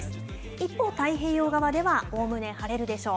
一方、太平洋側では、おおむね晴れるでしょう。